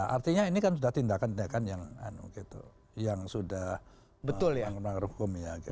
artinya ini kan sudah tindakan tindakan yang sudah melanggar hukum ya